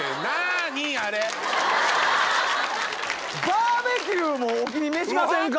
バーベキューもお気に召しませんか？